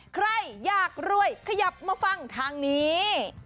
ใครอยากรวยขยับมาฟังทางนี้